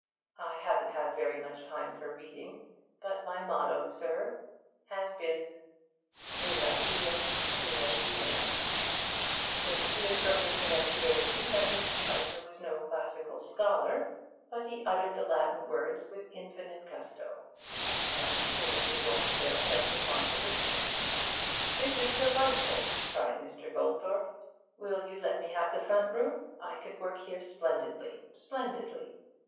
I haven't had very much time for reading, but my motto, sir, has been nulla dies sine linea.' It appeared from his pronunciation that Mr. Spicer was no classical scholar, but he uttered the Latin words with infinite gusto, and timidly watched their effect upon the listener. 'This is delightful,' cried Mr. Goldthorpe. 'Will you let me have the front room? I could work here splendidly splendidly!